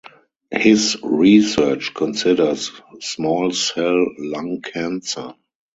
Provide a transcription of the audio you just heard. His research considers small cell lung cancer.